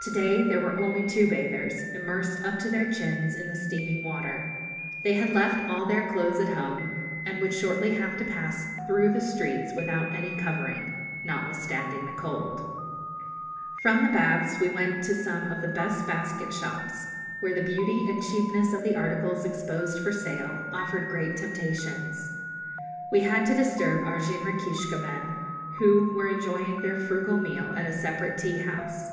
To day there were only two bathers, immersed up to their chins in the steaming water. They had left all their clothes at home, and would shortly have to pass through the streets without any covering, notwithstanding the cold. [Illustration: Arrima. The Village of Bamboo Basket Work] From the baths we went to some of the best basket shops, where the beauty and cheapness of the articles exposed for sale offered great temptations. We had to disturb our jinrikiska men, who were enjoying their frugal meal at a separate tea house.